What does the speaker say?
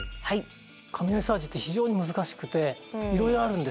雷サージって非常に難しくていろいろあるんですね。